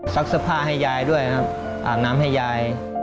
ซักสภาพให้ยายด้วยครับอาบน้ำให้ยาย